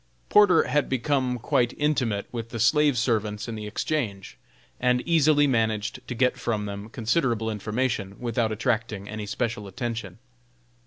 Porter had become quite intimate with the slave servants in the Exchange, and easily managed to get from them considerable information, without attracting any special attention.